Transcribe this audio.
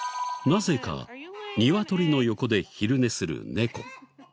なぜかニワトリの横で昼寝する猫。